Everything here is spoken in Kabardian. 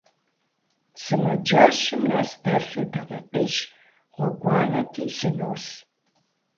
Сымаджэщым нэс дэлъыр дакъикъищ гъуэгуанэти, сынос.